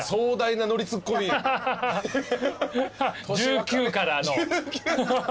１９からの。